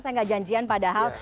saya nggak janjian padahal